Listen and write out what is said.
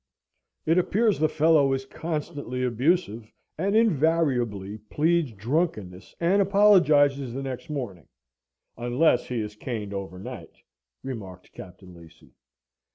"It appears the fellow is constantly abusive, and invariably pleads drunkenness, and apologises the next morning, unless he is caned over night," remarked Captain Lacy.